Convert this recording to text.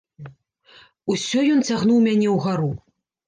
Усё ён цягнуў мяне ўгару.